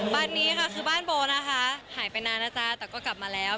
บ้านนี้ค่ะคือบ้านโบนะคะหายไปนานนะจ๊ะแต่ก็กลับมาแล้ว